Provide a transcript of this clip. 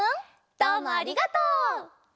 どうもありがとう。